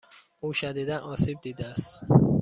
او شدیدا آسیب دیده است.